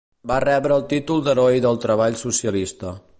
Va rebre el títol d'Heroi del Treball Socialista.